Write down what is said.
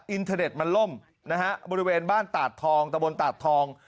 อินเทอร์เน็ตมันล่มนะฮะบริเวณบ้านตาดทองตะบนตาดทอง